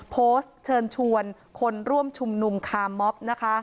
โพสต์เชิญชวนคนร่วมชุมนุมคาร์มอบนะคะ